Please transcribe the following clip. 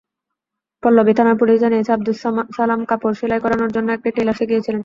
পল্লবী থানার পুলিশ জানিয়েছে, আবদুস সালাম কাপড় সেলাই করানোর জন্য একটি টেইলার্সে গিয়েছিলেন।